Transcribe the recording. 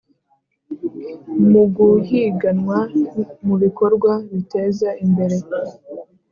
muguhiganwa mubikorwa biteza imbere